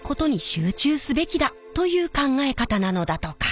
という考え方なのだとか。